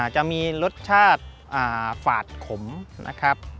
จะมีรสชาติฝาดขมนะครับ